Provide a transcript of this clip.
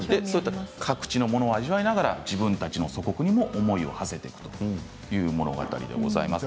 各地のものを味わいながら自分たちと祖国にも思いをはせているという物語でございます。